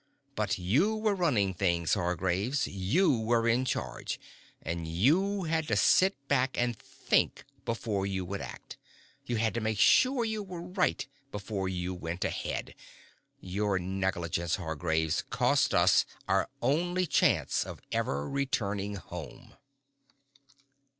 But you were running things, Hargraves. You were in charge. And you had to sit back and think before you would act. You had to make sure you were right, before you went ahead. Your negligence, Hargraves, cost us our only chance of ever returning home."